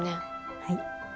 はい。